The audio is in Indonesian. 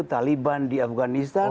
taliban di afghanistan